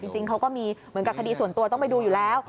จริงเขาก็มีเหมือนกับคดีส่วนตัวต้องไปดูอยู่แล้ว